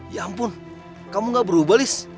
ya ampun kamu gak berubah